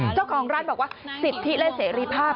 เจ้าของร้านบอกว่าสิทธิและเสรีภาพ